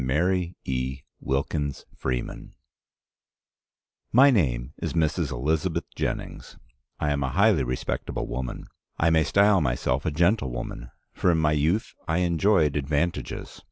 F. Collier & Son, New York: 1905) My name is Mrs. Elizabeth Jennings. I am a highly respectable woman. I may style myself a gentlewoman, for in my youth I enjoyed advantages.